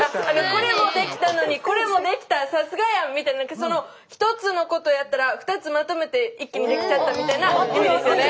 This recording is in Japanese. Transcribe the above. これもできたのにこれもできたさすがやんみたいな１つのことやったら２つまとめて一気にできちゃったみたいな意味ですよね？